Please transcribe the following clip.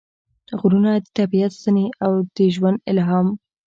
غرونه – د طبیعت ستنې او د ژوند الهام